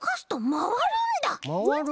まわる？